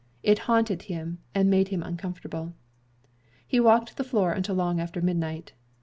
It haunted him, and made him uncomfortable. He walked the floor until long after midnight.